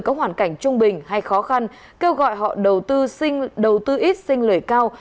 có hoàn cảnh trung bình hay khó khăn kêu gọi họ đầu tư ít sinh lời cao